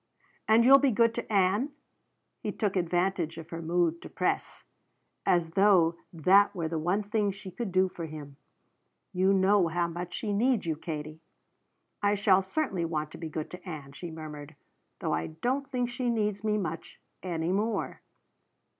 "And you'll be good to Ann?" he took advantage of her mood to press, as though that were the one thing she could do for him. "You know, how much she needs you, Katie." "I shall certainly want to be good to Ann," she murmured. "Though I don't think she needs me much any more."